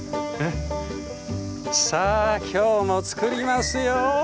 さあ今日も作りますよ。